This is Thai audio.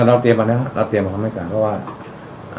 แล้วเราเตรียมเป็นน่ะครับเราเตรียมเพียงความให้กลับก็ว่าอ่า